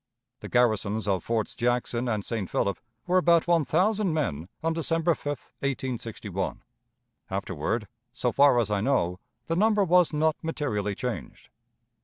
The garrisons of Forts Jackson and St. Philip were about one thousand men on December 5, 1861; afterward, so far as I know, the number was not materially changed.